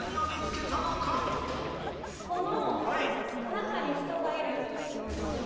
この中に人がいる。